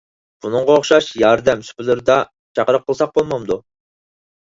بۇنىڭغا ئوخشاش ياردەم سۇپىلىرىدا چاقىرىق قىلساق بولمامدۇ؟